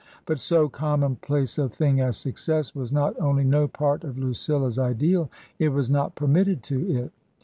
But so commonplace a thing as success was not only no part of Lucilla's ideal, it was not permitted to it.